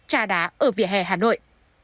trà đá ở vỉa hè hà nội